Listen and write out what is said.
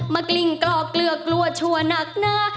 กลิ้งกรอกเกลือกลัวชัวร์หนักเนื้อ